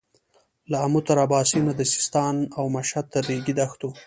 له امو تر اباسينه د سيستان او مشهد تر رېګي دښتو.